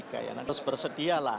harus bersedia lah